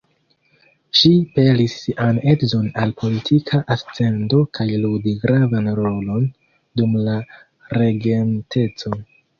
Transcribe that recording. Ŝi pelis sian edzon al politika ascendo kaj ludi gravan rolon dum la Regenteco.